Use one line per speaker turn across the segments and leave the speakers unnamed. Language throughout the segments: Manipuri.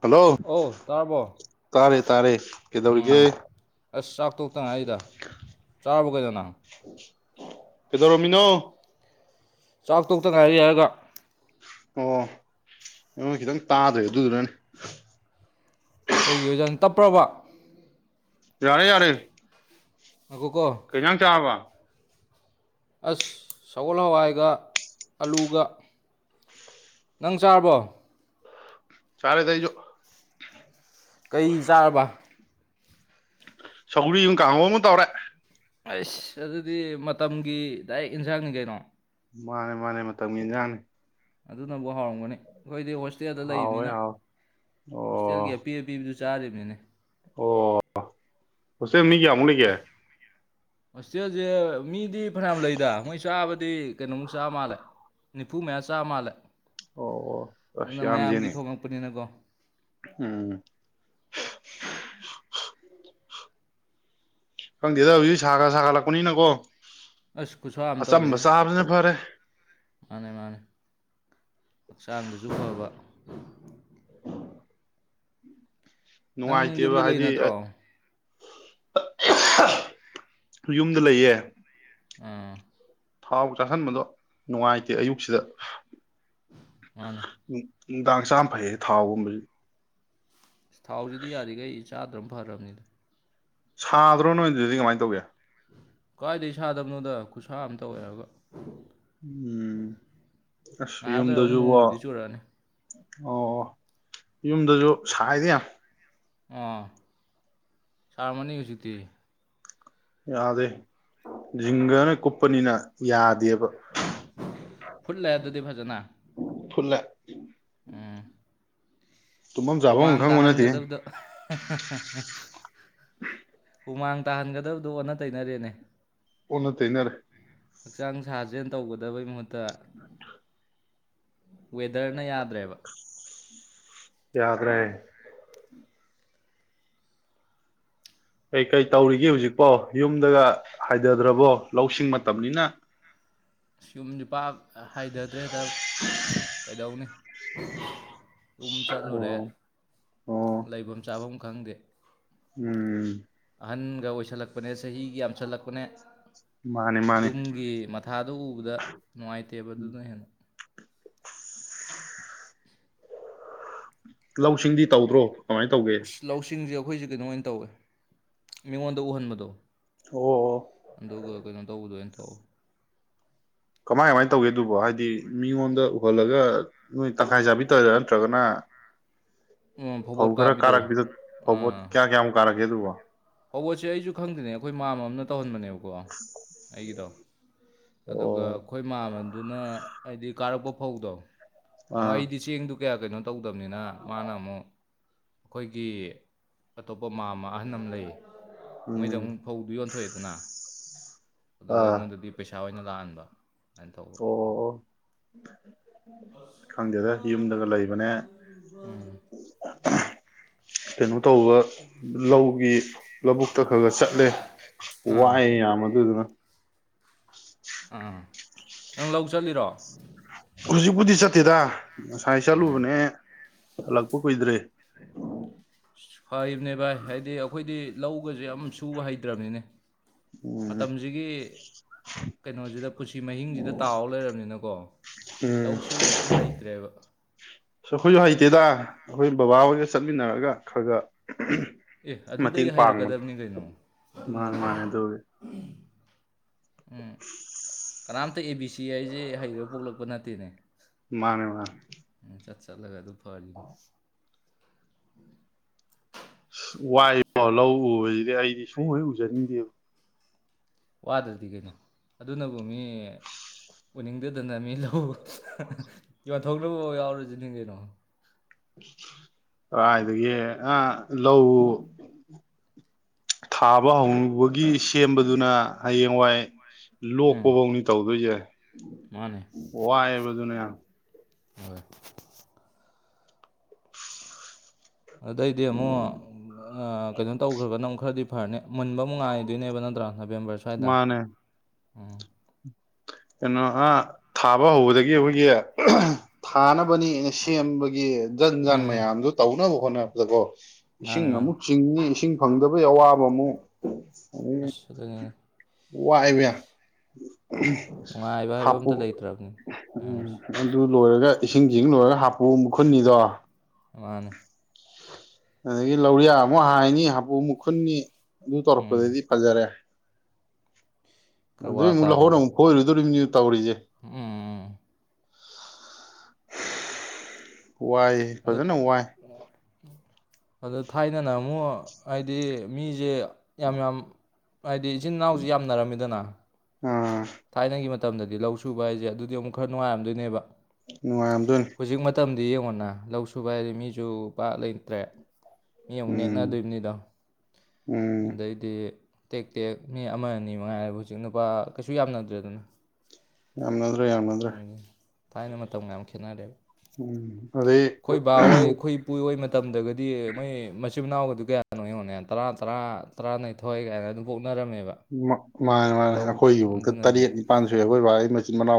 ꯍꯜꯂꯣ
ꯑꯧ ꯇꯥꯔꯕꯣ
ꯀꯥꯔꯦ ꯇꯔꯦ
ꯎꯝ ꯑꯁ ꯆꯥꯛ ꯇꯣꯛꯇꯅ ꯑꯩꯗ ꯆꯥꯎꯥꯕꯒꯗꯅ
ꯀꯗꯣ ꯔꯃꯤꯅꯣ
ꯆꯥꯛ ꯇꯣꯛꯇ ꯉꯥꯏꯔꯦ ꯌꯥꯔꯒ
ꯑꯣ ꯅ ꯈꯤꯇꯪ ꯇꯥꯗ꯭ꯔꯦ ꯑꯗꯨꯗꯨꯅꯅꯦ
ꯑꯩꯈꯣꯏꯒꯤ ꯌꯣꯖꯟ ꯇꯞꯄ꯭ꯔꯕ
ꯌꯥꯔꯦ ꯌꯥꯔꯦ
ꯉꯥꯏꯈꯣꯀꯣ
ꯀꯩꯖꯪ ꯆꯥꯕ
ꯑꯁ
ꯆꯔꯦꯗꯥ ꯑꯩꯁꯨ
ꯀꯩ ꯆꯥꯔꯕ
ꯁꯧꯒ꯭ꯔꯤ ꯌꯨꯝ ꯀꯥꯡꯍ ꯑꯃꯨ ꯇꯧꯔꯦ
ꯑꯁ ꯑꯗꯨꯗꯤ ꯃꯇꯝꯒꯤ ꯗꯥꯏꯔꯦꯛ ꯌꯦꯟꯁꯥꯡꯅꯤ ꯀꯩꯅꯣ
ꯃꯥꯅꯦ ꯃꯥꯅꯦ ꯃꯇꯝ ꯃꯤꯒꯤ ꯏꯟꯖꯥꯡꯅꯤ
ꯑꯗꯨꯅ ꯐꯥꯎꯔꯝꯒꯅꯤ ꯑꯩꯈꯣꯏꯗꯤ ꯍꯣꯁꯇꯦꯜꯗ
ꯍꯥꯎꯋꯦ
ꯂꯩꯕꯅꯤꯅ
ꯍꯥꯎꯋꯦ ꯑꯣ
ꯍꯣꯁꯇꯦꯜꯒꯤ ꯑꯄꯤ ꯑꯄꯤꯕꯗꯨꯁꯨ ꯆꯥꯔꯤꯕꯅꯤꯅꯦ
ꯑꯣ ꯍꯁꯦꯜ ꯃꯤ ꯀꯌꯥꯃꯨꯛ ꯂꯩꯒꯦ
ꯍꯣꯁꯇꯦꯜꯁꯦ ꯃꯤꯗꯤ ꯐꯅꯌꯥꯝ ꯂꯩꯗ ꯃꯣꯏ ꯆꯥꯕꯗꯤ ꯀꯩꯅꯣꯃꯨꯛ ꯆꯥ ꯃꯥꯜꯂꯦ ꯅꯤꯐꯨ ꯃꯌꯥ ꯆꯥ ꯃꯥꯜꯂꯦ
ꯑꯣ ꯑꯁ
ꯑꯗꯨꯅ ꯃꯌꯥꯝꯒꯤ
ꯌꯥꯝꯁꯤꯦꯅꯦ
ꯊꯣꯡꯉꯛꯄꯅꯤꯅꯀꯣ
ꯎꯝ [unintelligible] ꯈꯪꯗꯦꯗ ꯍꯧꯖꯤꯛ ꯁꯥꯒ ꯁꯥꯒꯠꯂꯛꯄꯅꯤꯅꯀꯣ
ꯑꯁ ꯈꯨꯨꯠꯁꯥ ꯑꯃ
ꯑꯆꯝꯕ
ꯇꯧꯔꯤꯦ
ꯆꯥꯕꯁꯤꯅ ꯐꯔꯦ
ꯃꯥꯅꯦ ꯃꯥꯅꯦ ꯍꯛꯆꯥꯡꯗꯁꯨ ꯐꯕ
[inaudible]
ꯅꯪ
ꯅꯨꯡꯉꯥꯏꯇꯦꯕ
ꯌꯨꯝꯗ ꯂꯩ
ꯍꯥꯏꯗꯤ
ꯅꯠꯇ꯭ꯔꯣ
[unintelligible] ꯌꯨꯝꯗ ꯂꯩꯌꯦ꯫
ꯎꯝ꯫
ꯊꯥꯎ ꯆꯥꯥꯁꯟꯕꯗꯣ ꯅꯨꯡꯉꯥꯏꯇꯦ ꯑꯌꯨꯛꯁꯤꯗ
ꯃꯥꯅꯤ꯫
ꯎꯝ, ꯅꯨꯡꯗꯥꯡ ꯆꯥꯝ ꯐꯩꯌꯦ ꯊꯥꯎꯒꯨꯝꯕꯖꯤ꯫
ꯊꯥꯎꯖꯤꯗꯤ ꯌꯥꯔꯤꯒꯩ ꯆꯥꯗ꯭ꯔꯝ ꯐꯔꯝꯅꯤꯗ꯫
ꯁꯥꯗ꯭ꯔꯣ ꯅꯣꯏ ꯑꯗꯨꯗ ꯗꯤ ꯀꯃꯥꯏ ꯇꯧꯒꯦ꯫
ꯀꯥꯏꯗꯒꯤ ꯁꯥꯗꯕꯅꯣꯗ ꯈꯨꯠꯁꯥ ꯑꯃ ꯇꯧꯋꯦ ꯍꯥꯏꯔꯒ꯫
ꯎꯝ ꯑꯁ
ꯉꯥꯏꯍꯥꯛ ꯂꯩꯔ ꯑꯃꯨꯛ
ꯌꯨꯝꯗꯖꯨ ꯕꯣ
ꯅꯣꯡꯕꯨꯗꯤ ꯆꯨꯔꯛꯑꯅꯤ
ꯑꯣ ꯌꯨꯝꯗꯁꯨ ꯁꯥꯏꯗ ꯌꯥꯝ꯫
ꯑꯣ ꯁꯥꯔꯃꯅꯤ ꯍꯧꯖꯤꯛꯇꯤ꯫
ꯌꯥꯗꯦ ꯖꯤꯡꯒꯅ ꯀꯨꯞꯄꯅꯤꯅ ꯌꯥꯗꯦ꯫
[unintelligible] ꯐꯨꯠꯂꯦ ꯑꯗꯨꯗꯤ ꯐꯖꯅ꯫
ꯐꯨꯠꯂꯦ꯫
ꯎꯝ
[inaudible] ꯇꯨꯝꯐꯝ ꯆꯥꯐꯝ
ꯍꯨꯃꯥꯡ
ꯈꯪꯕ ꯅꯠꯇꯦ
ꯇꯥꯍꯟꯒꯗꯕꯗꯣ [unintelligible] ꯍꯨꯃꯥꯡ ꯇꯥꯍꯟꯒꯗꯕꯗꯨꯣ ꯑꯣꯟꯅ ꯇꯩꯅꯔꯦꯅꯦ꯫
ꯑꯣꯟꯅ ꯇꯩꯅꯔꯦ꯫
ꯍꯛꯆꯥꯡ ꯁꯥꯖꯦꯟ ꯇꯧꯒꯗꯕꯩ ꯃꯍꯨꯠ ꯨ [unintelligible] ꯋꯦꯗꯔꯅ ꯌꯥꯗ꯭ꯔꯦꯕ꯫
ꯌꯥꯗꯔꯦ꯫ ꯀꯩꯀꯩ ꯇꯧꯔꯤꯒꯦ ꯍꯧꯖꯤꯛꯄꯣ ꯌꯨꯝꯗꯒ ꯍꯥꯏꯗꯗ꯭ꯔꯕꯣ ꯂꯧꯁꯤꯡ ꯃꯇꯝꯅꯤꯅ꯫
ꯌꯨꯝꯖꯤ ꯄꯥꯛ ꯍꯥꯏꯗꯗ꯭ꯔꯦꯗ ꯀꯩꯗꯧꯅꯤ꯫ [inaudible] ꯌꯝ ꯆꯠꯂꯨꯔꯦ
ꯑꯣ ꯑꯣ
ꯂꯩꯕꯝ ꯆꯥꯕꯝ ꯈꯪꯗꯦ꯫
ꯎꯝ꯫
[unintelligible] ꯑꯣꯏꯁꯜꯂꯛꯄꯅꯦ ꯆꯍꯤꯒ ꯌꯥꯝꯁꯜꯂꯛꯄꯅꯦ
ꯃꯥꯅꯤ ꯃꯥꯅꯤ꯫
ꯑꯗꯨ ꯎꯕꯗ ꯅꯨꯡꯉꯥꯏꯇꯦꯕ ꯑꯗꯨꯅ ꯍꯦꯟꯅ꯫
ꯂꯧꯁꯤꯡꯗꯤ ꯇꯧꯗ꯭ꯔꯣ꯫ ꯀꯃꯥꯏꯅ ꯇꯧꯒꯦ
ꯑꯁ ꯂꯧꯁꯤꯡꯖ‌ꯦ ꯑꯩꯈꯣꯏꯖꯤ ꯀꯩꯅꯣ ꯑꯣꯏꯅ ꯇꯧꯋꯦ ꯃꯤꯉꯣꯟꯗ ꯎꯍꯟꯕꯗꯣ
ꯑꯣ
ꯑꯗꯨꯒ ꯀꯩꯅꯣ ꯇꯧꯕꯗꯣ ꯑꫭꯏꯅ ꯇꯧꯋꯤ
ꯀꯃꯥꯏ ꯀꯃꯥꯏꯅ ꯇꯧꯒꯦ ꯑꯗꯨꯕꯣ ꯍꯥꯏꯗꯤ ꯃꯤꯉꯣꯟꯗ ꯎꯍꯜꯂꯒ ꯅꯣꯏ ꯇꯪꯈꯥꯏ ꯆꯥꯕꯤ ꯇꯧꯔꯤꯔ ꯅꯠꯇ꯭ꯔꯒꯅ ꯐꯧ
ꯐꯧꯕꯣꯠ
ꯈꯔ
ꯀꯥꯕꯤꯗꯣ
ꯀꯥꯔꯛꯄꯤꯗꯣ ꯐꯧꯕꫭꯠ ꯀꯌꯥ ꯀꯌꯥꯃꯨꯛ ꯀꯥꯔꯛ ꯒꯦꯑꯗꯨꯕꯣ
ꯐꯕꯣꯠꯁꯦ ꯑꯩꯁꯨ ꯈꯪꯗ꯭ꯦꯅꯦ ꯑꯩꯈꯣꯏ ꯃꯥꯝꯃ ꯑꯃꯅ ꯇꯧꯍꯟꯕꯅꯦꯕꯀꯣ ꯑꯩꯒꯤꯗꯣ
ꯑꯣ
ꯑꯗꯨꯒ ꯑꯩꯈꯣꯏ ꯃꯥꯝꯃ ꯑꯗꯨꯅ ꯑꯩꯗꯤ ꯀꯥꯔꯛꯄ ꯐꯧꯗꯣ ꯑꯣ
ꯑꯥ
ꯑꯩꯗꯤ ꯆꯦꯡꯗꯨ ꯀꯌꯥ ꯀꯩꯅꯣ ꯇꯧꯗꯕꯅꯤꯅ ꯃꯥꯅ ꯑꯃꯨꯛ ꯑꯩꯈꯣꯏꯒꯤ ꯑꯇꯣꯞꯄ ꯃꯥꯝꯃ ꯑꯍꯟ ꯑꯃ ꯂꯩꯌꯦ ꯃꯣꯏꯗ
ꯎꯝ
ꯑꯃꯨꯛ ꯐꯧꯗꯨ ꯌꯣꯟꯊꯣꯛ ꯑꯦꯗꯅ ꯑꯗꯨꯒ
ꯑꯥ
ꯑꯩꯉꯣꯟꯗꯗꯤ ꯄꯩꯁ ꯄꯩꯁ ꯑꯣꯏꯅ ꯂꯥꯛꯍꯟꯕ ꯇꯧꯕ
ꯑꯣ ꯑꯣ ꯈꯪꯗꯦꯗ ꯌꯨꯝꯗꯒ ꯂꯩꯕꯅꯦ ꯀꯩꯅꯣ ꯇꯧꯕ ꯂꯧꯒꯤ ꯂꯧꯕꯨꯛꯇ ꯈꯔ ꯈꯔ
ꯁꯥꯗ꯭ꯔꯣ
ꯆꯠꯂꯦ
ꯚꯥꯏ ꯑꯥ
ꯋꯥꯏꯑꯦ ꯌꯥꯝ ꯑꯗꯨꯗꯨꯅ ꯎꯁ
ꯑꯥ ꯅꯪ ꯂꯧ ꯆꯠꯂꯤꯔꯣ
ꯍꯧꯖꯤꯛꯄꯨꯗꯤ ꯆꯠꯇꯦꯗ ꯉꯁꯥꯏ
ꯎꯝ
ꯆꯠꯂꯨꯕꯅꯦ ꯍꯜꯂꯛꯄ ꯀꯨꯏꯗꯔ꯭ꯤ
ꯐꯔꯤꯕꯅꯦ ꯚꯥꯏ ꯍꯥꯏꯗꯤ ꯑꯩꯈꯣꯏꯗꯤ ꯂꯧ ꯑꯩꯈꯣꯏ ꯍꯧꯖꯤꯛ ꯑꯝ ꯁꯨꯕ ꯍꯩꯇ꯭ꯔꯥꯕꯅꯤꯅꯦ
ꯎꯝ
ꯃꯇꯝꯁꯤꯒꯤ ꯀꯩꯅꯣꯁꯤꯗ ꯄꯨꯟꯁꯤ ꯃꯍꯤꯡꯁꯖꯤꯗ ꯇꯥꯎꯔ ꯂꯩꯔꯕꯅꯤꯅꯀꯣ
ꯎꯝ
ꯂꯧ ꯁꯨꯕꯒ ꯑꯃ ꯍꯩꯇ꯭ꯔꯦꯕ
ꯑꯩꯈꯣꯏꯁꯨ ꯍꯩꯇꯦꯗ ꯑꯩꯈꯣꯏ ꯕꯕꯥꯍꯣꯏꯒ ꯆꯠꯃꯤꯟꯅꯔꯒ ꯈꯔ ꯈꯔꯒ
ꯑꯦ ꯑꯗꯨꯗꯩ ꯍꯩꯏꯔꯛꯀꯗꯕꯅꯤ ꯀꯩꯅꯣ ꯑꯗꯨ
ꯃꯥꯅꯦ
ꯅꯠꯇ꯭ꯔꯣ
ꯃꯥꯅꯦ ꯑꯗꯨꯕꯨꯗꯤ
ꯎꯝ ꯀꯅꯥꯝꯇ ꯑꯦ ꯕꯤ ꯁꯤ ꯍꯥꯏꯖꯤ ꯍꯩꯔꯒ ꯄꯣꯛꯂꯛꯄ ꯅꯠꯇꯦꯅꯦ
ꯃꯅꯦ ꯃꯅꯦ
ꯎꯝ ꯆꯠ ꯆꯠꯂꯒ ꯑꯗꯨ ꯐꯔꯤꯅꯤ
ꯑꯁ ꯋꯥꯏꯕꯣ ꯂꯧ ꯎꯕꯁꯤꯗꯤ ꯑꯩ ꯁꯨꯡꯑꯣꯏ ꯍꯦꯛ ꯎꯖꯔꯅꯤꯡꯗꯦ
ꯋꯥꯗ꯭ꯔꯗꯤ ꯀꯩꯅꯣ ꯑꯗꯨꯅꯕꯨ ꯃꯤ ꯎꯅꯤꯡꯗꯗꯅ ꯃꯤ ꯂꯧ ꯌꯣꯟꯊꯣꯛꯅꯕꯕꯧ ꯌꯥꯎꯔꯖꯅꯤ ꯀꯩꯅꯣ꯫
ꯀꯥꯏꯗꯒꯤ ꯑ ꯂꯧ ꯊꯥꯕ ꯍꯕꯒꯤ ꯁꯦꯝꯕꯗꯨꯅ ꯍꯌꯦꯡꯋꯥꯏ
ꯎꯝ
ꯂꯣꯛꯄꯕꯥꯎꯅꯤ ꯇꯧꯗꯣꯏꯖꯦ꯫
ꯃꯥꯅꯦ
ꯋꯥꯢꯋꯦꯕ ꯑꯗꯨꯅ ꯌꯥꯝ꯫
ꯍꯣꯏ꯫ ꯑꯗꯩꯗꯤ ꯑꯃꯨꯛ ꯑ ꯀꯩꯅꯣ ꯇꯧꯒ꯭ꯔꯒꯅ ꯑꯃꯨꯛ ꯈꯔꯗꯤ [unintelligible] ꯃꯨꯟꯕ ꯑꯃꯨꯛ ꯉꯥꯏꯗꯣꯏꯅꯦꯕ ꯅꯠꯇ꯭ꯔ ꯅꯕꯦꯝꯕꯔ ꯁ꯭ꯋꯥꯏꯗ꯫
ꯃꯥꯅꯦ
ꯎꯝ꯫
ꯀꯩꯅꯣ ꯑ ꯊꯥꯕ ꯍꯧꯕꯗꯒꯤ ꯑꯩꯈꯣꯏꯒꯤ ꯊꯥꯅꯕ [unintelligible] ꯁꯦꯝꯕꯒꯤ ꯖꯟ ꯖꯥꯟ
ꯎꯝ ꯎꯝ
ꯃꯌꯥꯝꯗꯨ ꯇꯧꯅꯕ ꯍꯣꯠꯅꯕꯗꯀꯣ
ꯃꯥꯅꯦ
ꯏꯁꯤꯡ
ꯃꯥꯅꯦ
ꯑꯃꯨꯛ ꯆꯤꯡꯅꯤ ꯏꯁꯤꯡ ꯐꯪꯗꯕꯩ ꯑꯋꯥꯕ ꯑꯃꯨꯛ ꯑꯗꯒꯤ
ꯑꯁ ꯑꯗꯨꯅꯤꯅꯦ꯫
ꯋꯥꯏꯕ ꯌꯥꯝ꯫
ꯅꯨꯡꯉꯥꯏꯕ ꯍꯥꯏꯕ
ꯍꯥꯄꯨ
ꯑꯝꯇ ꯂꯩꯇ꯭ꯔꯕꯅꯤ
ꯎꯝ
ꯃꯌꯥꯝꯁꯦ
ꯑꯗꯨ ꯂꯣꯏꯔꯒ ꯏꯁꯤꯡ ꯆꯤꯡ ꯂꯣꯏꯔꯒ ꯍꯥꯞꯄꯨ ꯑꯃꯨꯛ ꯈꯨꯟꯅꯤꯗꯣ꯫
ꯃꯥꯅꯤ꯫
ꯑꯗꯒꯤ ꯂꯧꯔꯤꯌꯥ ꯑꯃꯨꯛ ꯍꯥꯏꯅꯤ ꯍꯥꯄꯨ ꯑꯃꯨꯛ ꯈꯨꯨꯟꯅꯤ꯫ ꯑꯗꯨ
ꯎꯝ
ꯇꯧꯔꯛꯄꯗꯗꯤ ꯐꯖꯔꯦ꯫
ꯈꯔ ꯋꯥ
ꯑꯗꯨꯗꯩ ꯑꯃꯨꯛ ꯍꯔꯣꯟ
ꯇꯥꯔꯦꯅꯦ
ꯑꯃꯨꯛ ꯐꯣꯢꯔꯨꯗꯧꯔꯤꯃꯤ꯫ ꯇꯧꯔꯤꯖꯦ꯫
ꯎꯝ ꯎꯝ ꯎꯝ.
ꯋꯥꯏ
ꯑꯗꯨ
ꯐꯖꯅ ꯋꯥꯏ꯫
ꯑꯗ ꯊꯥꯏꯅꯅ ꯑꯃꯨꯛ ꯍꯥꯏꯗꯤ ꯃꯤꯖꯦ ꯌꯥꯝ ꯌꯥꯝ ꯍꯥꯏꯗꯤ ꯏꯆꯤꯟ ꯏꯅꯥꯎꯁꯨ ꯌꯥꯝꯅꯔꯝꯃꯤꯗꯅ
ꯑꯥ
ꯊꯥꯏꯅꯒꯤ ꯃ ꯃꯇꯝꯗꯗꯤ ꯂꯧ ꯁꯨꯕ ꯍꯥꯏꯖꯦ ꯑꯗꯨꯗꯤ ꯑꯃꯨꯛ ꯈꯔ ꯅꯨꯡꯉꯥꯏꯔꯝꯗꯣꯏꯅꯦꯕ
ꯅꯨꯡꯉꯥꯏꯔꯝꯗꯣꯏꯅꯤ꯫
[unintelligible] ꯅꯥ ꯂꯧꯁꯨꯨꯕ ꯍꯥꯏꯗꯤ ꯃꯤꯁꯨꯨ ꯄꯥꯛ ꯂꯩꯇ꯭ꯔꯦ ꯃꯤ ꯑꯃꯨꯛ
ꯎꯝ
ꯅꯦꯛꯅꯗꯣꯏꯅꯤꯗꯣ
ꯎꯝ
ꯑꯗꯩꯗꯤ ꯇꯦꯛ ꯇꯦꯛ ꯃꯤ ꯑꯃ ꯑꯅꯤ ꯃꯉꯥꯏꯔꯦ ꯍꯨꯖꯤꯛ ꯅꯨꯄꯥ ꯀꯩꯁꯨ ꯌꯥꯝꯅꯗ꯭ꯔꯦꯗꯅ
ꯌꯥꯝꯅ
ꯎꯝ ꯊꯥꯏꯅ ꯃꯇꯝꯒꯥ ꯌꯥꯝ ꯈꯦꯠꯅꯔꯦꯕ
ꯎꯝ ꯑꯗꯩ
ꯑꯩꯈꯣꯏ ꯕꯥ ꯍꯣꯏ ꯑꯩꯈꯣꯏ ꯏꯄꯨ ꯍꯣꯏ ꯃꯠ ꯇꯝꯗꯒꯗꯤ ꯃꯣꯏ ꯃꯆꯤꯟ ꯃꯅꯥꯎꯒꯗꯨ ꯀꯌꯥꯅꯣ ꯌꯦꯡꯉꯣꯅꯦ ꯇꯔꯥ ꯇꯔꯥ ꯇꯔꯥꯅꯤ ꯊꯣꯏ ꯀꯥꯏꯅ ꯑꯗꯨꯝ ꯄꯣꯛ
ꯃꯥ ꯃꯥꯅꯦ ꯃꯥꯅꯦ ꯑꯩꯈꯣꯏꯒꯤꯕꯨꯨꯛꯇ ꯇꯔꯦꯠ ꯅꯤꯄꯥꯟ ꯁꯨꯏ ꯑꯩꯈꯣꯏ ꯕꯥꯏ ꯃꯆꯤꯟ ꯃꯅꯥꯎ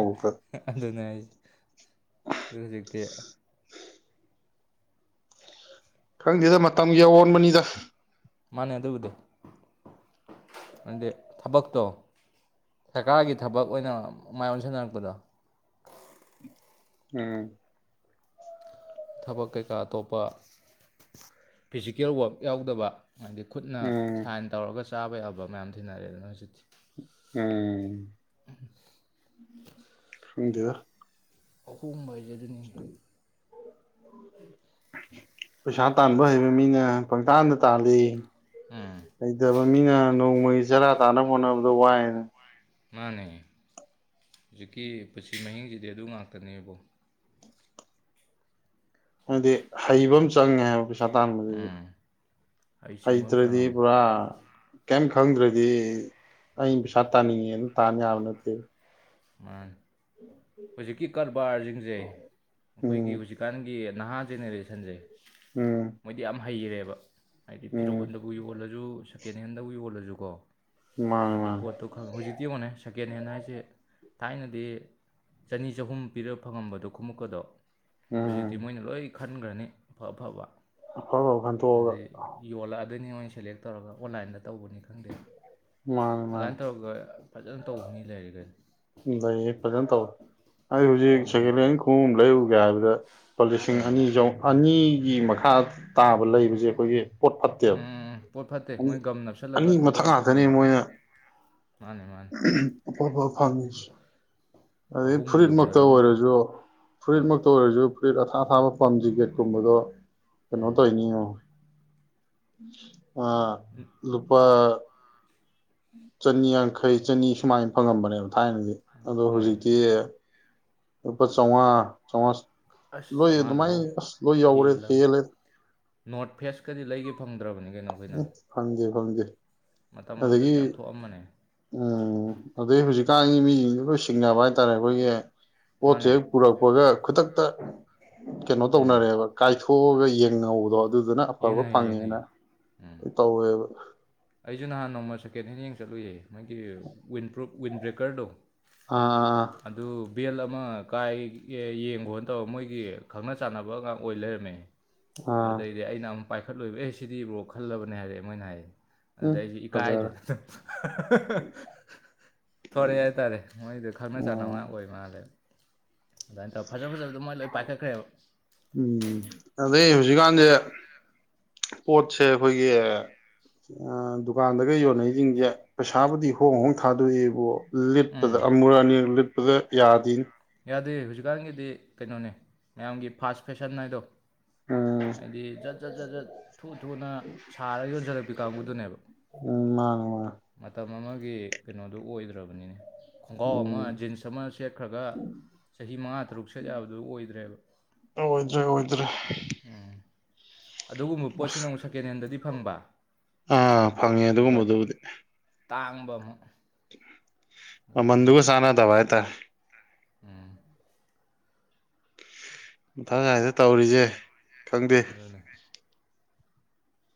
ꯍ ꯑꯗꯨꯅꯤ ꯍꯥꯏꯖꯦ ꯑꯗꯨ ꯍꯨꯖꯤꯛꯇꯤ
ꯈꯡꯗꯦꯗ ꯃꯇꯝꯒꯤ ꯑꯋꯣꯟꯕꯅꯤꯗ
ꯃꯥꯅꯦ ꯑꯗꯨꯕꯨꯗꯤ ꯑꯗꯨꯗꯤ ꯊꯕꯛꯇꯣ ꯁꯔꯀꯥꯔꯒꯤ ꯊꯕꯛ ꯑꯣꯏꯅ ꯃꯥꯏ ꯑꯣꯟꯁꯤꯟꯅꯔꯛꯄꯗꯣ
ꯎꯝ
ꯊꯕꯛ ꯀꯩꯀꯥ ꯑꯇꯣꯞꯄ ꯐꯤꯖꯤꯀꯦꯜ ꯋꯥꯔꯛ ꯌꯥꯎꯗꯕ ꯍꯥꯏꯗꯤ ꯈꯨꯠꯅ
ꯎꯝ
ꯁꯥꯏꯟ ꯇꯧꯔꯒꯁꯨ ꯆꯥꯕ ꯌꯥꯕ ꯃꯌꯥꯝ ꯊꯤꯅꯔꯦꯅ ꯍꯧꯖꯤꯛꯇꯤ
ꯎꯝ
ꯎꯝ ꯁꯤ
ꯈꯡꯗꯦꯗꯥ
ꯑꯍꯣꯡꯕ ꯍꯥꯏ ꯖꯦ ꯑꯗꯨꯅꯤꯅꯦ
ꯄꯩꯁꯥ ꯇꯥꯟꯕ ꯍꯩꯕ ꯃꯤꯅ ꯄꯪꯇꯥꯥꯟꯗ ꯇꯥꯜꯂꯤ
ꯎꯝ
ꯍꯩꯇꯕꯥ ꯃꯤꯅ ꯅꯣꯡꯃꯒꯤ ꯆꯔꯥ ꯇꯥꯟꯅꯕ ꯍꯣꯠꯅꯕꯗꯥ ꯋꯥꯏ ꯍꯥꯏꯗꯨꯅꯤ
ꯃꯥꯅꯦ ꯍꯧꯖꯤꯛꯀꯤ ꯄꯨꯟꯁꯤ ꯃꯍꯤꯡꯁꯤꯗꯤ ꯑꯗꯨ ꯉꯥꯛꯇꯅꯦ ꯏꯕꯣ
ꯑꯗꯨꯗꯤ ꯍꯩꯕ ꯑꯝ ꯆꯡꯉꯦ ꯍꯥꯏꯕ ꯄꯩ ꯁꯥ ꯇꯥꯟꯕꯗꯨꯖꯨ
ꯎꯝ ꯑꯩ ꯆꯤꯡꯕꯝ
ꯍꯩꯇ꯭ꯔꯗꯤ
ꯆꯥꯡꯉꯝꯃꯤ
ꯄꯨꯔꯥ ꯀꯩꯏꯝ ꯈꯡꯗ꯭ꯔꯗꯤ ꯑꯩꯅ ꯄꯩꯁꯥ ꯇꯥꯟꯅꯤꯡꯉꯦꯅ ꯇꯥꯟ ꯌꯥꯕ ꯅꯠꯇꯦ
ꯃꯥꯅꯦ ꯍꯨꯖꯤꯛꯀꯤ ꯀꯔꯕꯥꯔꯖꯤꯡꯖꯦ
ꯎꯝ
ꯑꯩꯈꯣꯏꯒꯤ ꯍꯨꯖꯤꯛꯀꯥꯟꯒꯤ ꯅꯍꯥ ꯖꯦꯅꯔꯦꯁꯟꯖꯦ
ꯎꯝ
ꯍꯩꯔꯦꯕ ꯍꯥꯏꯗꯤ
ꯎꯝ
ꯐꯤꯔꯣꯜꯗꯕꯨ ꯌꯣꯜꯂꯖꯨ ꯁꯦꯀꯦꯟ ꯍꯦꯟꯗꯕꯨ ꯌꯣꯜꯂꯖꯨ ꯀꯣ
ꯃꯥꯅꯦ
ꯍꯥꯏꯗꯤ
ꯃꯥꯅꯦ
ꯄꯣꯠꯇꯣ ꯈꯪ ꯍꯧꯖꯤꯛꯇꯤ ꯌꯦꯡꯉꯣꯅꯦ ꯁꯦꯀꯦꯟ ꯍꯦꯟ ꯍꯥꯏꯁꯦ ꯊꯥꯏꯅꯗꯤ ꯆꯅꯤ ꯆꯍꯨꯝ ꯄꯤꯔꯥ ꯐꯪꯉꯝꯕꯗꯣ ꯈꯣꯃꯨꯛꯀꯗꯣ ꯍꯧꯖꯤꯛꯇꯤ
ꯎꯝ
ꯃꯣꯏꯅ ꯂꯣꯏ ꯈꯟꯈ꯭ꯔꯅꯤ ꯑꯐ ꯑꯐꯕ
ꯑꯐꯕꯥ ꯈꯟꯇꯣꯀ ꯑꯒꯥ
ꯑꯗꯨꯅꯤ ꯅꯣꯏ ꯁꯦꯂꯦꯛ ꯇꯧꯔꯒ ꯑꯣꯟꯂꯥꯏꯟꯗ ꯇꯧꯕꯅꯤꯗ ꯈꯪꯗꯦ
ꯃꯥꯅꯦ ꯃꯥꯅꯦ
ꯑꯗꯨꯃꯥꯏꯅ ꯇꯧꯔꯒ ꯐꯖꯟꯅ ꯇꯧꯕ ꯃꯤ ꯂꯩꯥꯔꯦ ꯀꯩꯅꯣ
ꯂꯩꯌꯦ ꯐꯖꯟꯅ ꯇꯧꯋꯦ ꯑꯩ ꯍꯧꯖꯤꯛ
ꯀꯩꯅꯣ ꯑꯩꯈꯣꯏꯅ
ꯁꯦꯀꯦꯟꯍꯦꯟ
ꯍꯩꯇꯕ
ꯈꯨꯉꯨꯞ ꯑꯃ ꯂꯩꯔꯨꯒꯦ ꯍꯥꯏꯕꯗ ꯂꯨꯄꯥ ꯂꯤꯁꯤꯡ
ꯎꯝ
ꯑꯅꯤ ꯆꯧ ꯑꯅꯤ ꯏ ꯃꯈꯥ ꯇꯥꯕ ꯂꯩꯕꯁꯦ ꯑꯩꯈꯣꯏꯒꯤ ꯄꯣꯠ ꯐꯠꯇꯦꯕ
ꯎꯝ ꯄꯣꯠ ꯐꯠꯇꯦ ꯃꯣꯏ ꯒꯝ
ꯑꯅꯤ
ꯅꯞꯁꯤꯜꯂꯒ
ꯃꯊꯛ ꯉꯥꯛꯇꯅꯦ
ꯊꯥꯗꯣꯔꯛꯄꯒꯨꯝꯕ
ꯃꯣꯏꯅ
ꯃꯥꯅꯦ ꯃꯥꯅꯦ
ꯑꯐ ꯑꯐꯕ ꯑꯗꯩ
ꯑꯍꯨꯝꯕꯨ
ꯐꯨꯔꯤꯠꯃꯛꯇ
ꯌꯧꯅꯔꯕꯅꯤꯗ
ꯑꯣꯏꯔꯁꯨ
ꯑꯧ
ꯐꯨꯔꯤꯠꯃꯛꯇ ꯑꯣꯏꯔꯁꯨ ꯐꯨꯔꯤꯠ ꯑꯊꯥꯕ ꯑꯊꯥꯕ ꯄꯝ ꯖꯤꯀꯦꯠꯀꯨꯝꯕꯗꯣ
ꯎꯝ
ꯀꯩꯅꯣꯇꯧꯔꯤꯅꯤ ꯉꯣ ꯎꯝ ꯑꯥ ꯂꯨꯄꯥ ꯆꯅꯤꯌꯥꯡꯈꯩ ꯆꯅꯤ ꯁꯨꯃꯥꯏꯅ ꯐꯪꯉꯝꯕꯅꯦꯕ ꯊꯥꯏꯅꯗꯤ ꯑꯗꯣ
ꯍꯣꯏ
ꯍꯧꯖꯤꯛꯇꯤ ꯂꯨꯄ ꯆꯧꯉꯥ ꯆꯧꯉꯥ
ꯑꯁ ꯆꯧꯉꯥꯗꯨꯐꯥꯎ
ꯍꯦꯜꯂꯦ
ꯍꯦꯜꯂꯕꯅꯦ ꯅꯣꯔꯠ ꯐꯦꯁꯀꯗꯤ ꯂꯩꯒꯦ ꯐꯪꯗ꯭ꯔꯕꯅꯤ ꯀꯩꯅꯣ ꯑꯩꯈꯣꯏꯅ
ꯎꯝ ꯐꯪꯗꯦ ꯐꯪꯗꯦ
ꯃꯇꯝ
ꯑꯗꯒꯤ
ꯑꯃꯗꯗꯤ ꯌꯥꯝ ꯊꯣꯛꯑꯝꯕꯅꯦ
ꯎꯝ ꯑꯗꯨꯗꯩ ꯍꯧꯖꯤꯛ ꯍꯧꯖꯤꯛꯀꯟꯒꯤ ꯃꯤꯁꯤꯡꯗꯨ ꯂꯣꯏ ꯁꯤꯡꯅꯕ ꯍꯥꯏꯇꯔꯦ ꯑꯩꯈꯣꯏꯒꯤ ꯄꯣꯠꯁꯦ
ꯃꯥꯅꯦ
ꯍꯦꯛ ꯄꯨꯔꯛꯄꯒ ꯈꯨꯗꯛꯇ ꯀꯩꯅꯣ
ꯎꯝ
ꯇꯧꯅꯔꯦꯕ ꯀꯥꯏꯊꯣꯛꯑꯒ ꯌꯦꯡꯅꯍꯧꯕꯗꯣ ꯑꯗꯨꯗꯨꯅ ꯑꯐꯕ
ꯌꯦꯡꯅꯩꯌꯦ
ꯐꯪꯉꯦꯅ
ꯌꯦꯡꯅꯩꯌꯦ ꯎꯝ
ꯇꯧꯋꯦꯕ
ꯑꯩꯁꯨ ꯅꯍꯥꯟ ꯅꯣꯡꯃ ꯁꯦꯀꯦꯟ ꯍꯦꯟ ꯌꯦꯡ ꯆꯠꯂꯨꯏꯌꯦ ꯃꯣꯏꯒꯤ ꯋꯤꯟ ꯄ꯭ꯔꯨꯞ ꯋꯤꯟ ꯕ꯭ꯔꯦꯀꯔꯗꯣ
ꯑ ꯑꯥ ꯑꯥ
ꯑꯗꯨ ꯕꯦꯜ ꯑꯃ ꯀꯥꯏ ꯌꯦꯡꯈꯣꯅ ꯇꯧꯔ ꯃꯣꯏꯒꯤ ꯈꯪꯅ ꯆꯥꯟꯅꯕ ꯉꯥꯛ ꯑꯣꯏ ꯂꯩꯔꯝꯃꯦ
ꯑꯥ
ꯑꯗꯨꯗꯩꯗꯤ ꯑꯩꯅ ꯑꯝ ꯄꯥꯏꯈꯠꯂꯨꯏꯕ ꯑꯩ ꯁꯤꯗꯤꯕꯣ ꯈꯜꯂꯕꯅꯦ ꯍꯥꯏꯔꯦ ꯃꯣꯏꯅ ꯍꯥꯏꯌꯦ
ꯎꯝ
ꯑꯗꯨꯗꯩ ꯑꯩ
ꯐꯖꯔꯦ
ꯏꯀꯥꯏꯗꯅ ꯊꯣꯔꯛꯑꯦ ꯍꯥꯏꯇꯔꯦ ꯃꯣꯏꯗꯣ ꯈꯪꯅ ꯆꯥꯟꯅꯕ ꯉꯥꯛ
ꯎꯝ
ꯑꯣꯏ ꯃꯥꯜꯂꯦꯕ ꯑꯗꯨꯃꯥꯏ ꯇꯧꯔ ꯐꯖ ꯐꯖ ꯑꯗꯨ ꯃꯣꯏ ꯂꯣꯏ ꯄꯥꯏꯈꯠꯈ꯭ꯔꯦꯕ
ꯎꯝ ꯑꯗꯩ ꯍꯧꯖꯤꯛꯀꯥꯟꯁꯦ ꯄꯣꯠꯁꯦ ꯑꯩꯈꯣꯏꯒꯤ ꯗꯨꯀꯥꯟꯗꯒ ꯌꯣꯟꯅꯩꯁꯤꯡꯁꯦ ꯄꯩꯁꯥꯕꯨꯗꯤ ꯍꯣꯡ ꯍꯣꯡ ꯊꯥꯗꯣꯛꯏꯕꯣ ꯂꯤꯠꯄꯗ
ꯎꯝ
ꯑꯃꯨꯔꯛ ꯑꯅꯤꯔꯛ ꯂꯤꯠ ꯑꯗꯨꯗ ꯌꯥꯗꯤꯅꯦ
ꯌꯥꯗꯦ ꯍꯧꯖꯤꯛꯀꯥꯟꯒꯤꯗꯤ ꯀꯩꯅꯣꯅꯦ ꯃꯌꯥꯝꯒꯤ ꯐꯥꯁ ꯐꯦꯁꯟ ꯍꯥꯏꯗꯣ
ꯎꯝ
ꯍꯥꯏꯗꯤ ꯖꯠ ꯖꯠ ꯖꯠ ꯖꯠ ꯊꯨ ꯊꯨꯅ ꯁꯥꯔꯒ ꯌꯣꯟꯖꯜꯔꯛꯄꯤ ꯀꯥꯡꯒꯨꯗꯨꯅꯦꯕ
ꯎꯝ ꯃꯥꯅꯦ ꯃꯥꯅꯦ
ꯃꯇꯝ ꯑꯃꯒꯤ ꯀꯩꯅꯣꯗꯨ ꯑꯣꯏꯗ꯭ꯔꯕꯅꯤꯅꯦ ꯈꯣꯡꯒ꯭ꯔꯥꯎ ꯑꯃ
ꯎꯝ
ꯖꯤꯟꯁ ꯑꯃ ꯁꯦꯠꯈ꯭ꯔꯒ ꯆꯍꯤ ꯃꯉꯥ ꯇꯔꯨꯛ ꯁꯦꯠ ꯌꯥꯕꯗꯨ ꯑꯣꯏꯗ꯭ꯔꯦꯕ
ꯑꯣꯏꯗ꯭ꯔꯦ ꯑꯣꯏꯗ꯭ꯔꯦ
ꯎꯝ ꯑꯗꯨꯒꯨꯝꯕ ꯄꯣꯠꯁꯤꯅ ꯑꯃꯨꯛ ꯁꯦꯀꯦꯟꯍꯦꯟꯗꯗꯤ ꯐꯪꯕ
ꯑꯥ ꯐꯪꯉꯦ
ꯑꯗꯨꯒ
ꯑꯗꯨꯒꯨꯝꯕꯗꯨꯕꯨꯗꯤ
ꯇꯥꯡꯕ ꯑꯃꯨꯛ ꯑꯗꯨꯅꯤꯅꯦ
ꯃꯥꯃꯟꯗꯨꯒ ꯆꯥꯟꯅꯗꯕ ꯍꯥꯏꯇꯔꯦ
ꯎꯝ
ꯃꯊꯛ ꯀꯥꯏꯗ ꯇꯧꯔꯤꯁꯦ ꯈꯪꯗꯦ
ꯑꯗꯨꯅꯦ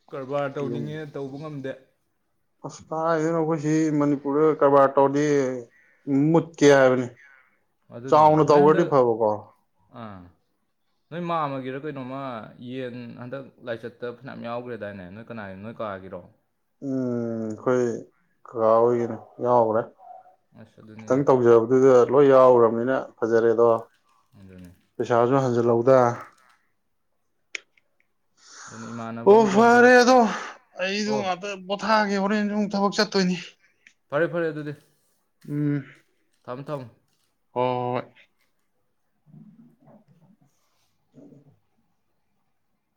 ꯀꯔꯕꯥꯔ
ꯌꯨꯝ
ꯇꯧꯅꯤꯡꯉꯦ ꯇꯧꯕ ꯉꯝꯗꯦ
ꯑꯁ ꯀꯗꯥꯏꯗꯩ ꯅꯣ ꯑꯩꯈꯣꯏꯁꯤ ꯃꯅꯤꯄꯨꯔꯗ ꯀꯔꯕꯥꯔ ꯇꯧꯔꯗꯤ ꯃꯨꯠꯀꯦ ꯍꯥꯏꯕꯅꯤ
ꯑꯗꯨꯅꯦ
ꯆꯥꯎꯅ
ꯅꯣꯏ
ꯇꯧꯒꯔ꯭ꯗꯤ
ꯍꯟꯗꯛ
ꯐꯕꯀꯣ
ꯑꯥ ꯅꯣꯏ ꯃꯥꯝꯃꯒꯤꯔ ꯀꯩꯅꯣꯝꯃ ꯌꯦꯟ ꯍꯟꯗꯛ ꯂꯥꯏꯆꯠꯇ ꯐꯅꯝ ꯌꯥꯎꯈ꯭ꯔꯦꯗꯥꯏꯅꯦ ꯅꯣꯏ ꯀꯅꯥꯒꯤꯅꯣ ꯅꯣꯏ ꯀꯥꯒꯤꯔꯣ
ꯎꯝ ꯑꯩꯈꯣꯏ ꯀꯀꯥ ꯑꯣꯏꯒꯤꯅꯦ ꯌꯥꯎꯈ꯭ꯔꯦ
ꯑꯁ
ꯈꯤꯇꯪ
ꯑꯗꯨꯅꯤꯅꯦ
ꯇꯧꯖꯕꯗꯨꯗ ꯂꯣꯏ ꯌꯥꯎꯒꯔ꯭ꯕꯅꯤꯅ ꯐꯖꯔꯦꯗꯣ
ꯑꯗꯨꯅꯤ
ꯄꯩꯁꯥꯁꯨ ꯍꯟꯖꯤꯜ ꯍꯧ ꯗ
ꯑꯗꯨꯅꯤ ꯏꯃꯥꯟꯅꯕ
ꯑꯣ
ꯑꯃꯁꯨ ꯍꯟꯗꯛ
ꯐꯔꯦꯗꯣ ꯑꯩꯗꯣ
ꯑꯣ
ꯉꯥꯛꯇ ꯄꯣꯊ ꯊꯥꯒꯦ ꯍꯣꯔꯦꯟꯁꯨ ꯑꯃꯨꯛ ꯊꯕꯛ ꯆꯠꯇꯨꯅꯤ
ꯐꯔꯦ ꯐꯔꯦ ꯑꯗꯨꯗꯤ
ꯎꯝ
ꯊꯝ ꯊꯝꯃꯣ
ꯍꯣꯏ ꯍꯣꯏ